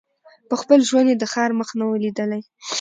په خپل ژوند یې د ښار مخ نه وو لیدلی